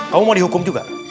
kamu mau dihukum juga